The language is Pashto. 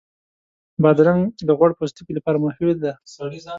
بادرنګ د غوړ پوستکي لپاره مفید دی.